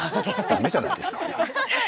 駄目じゃないですか。